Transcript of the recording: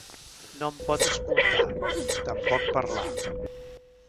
No em pot escoltar, tampoc parlar.